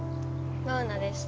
マウナです。